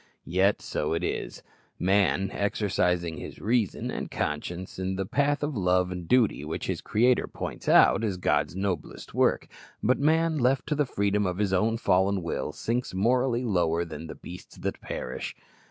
Yet so it is. Man, exercising his reason and conscience in the path of love and duty which his Creator points out, is God's noblest work; but man, left to the freedom of his own fallen will, sinks morally lower than the beasts that perish.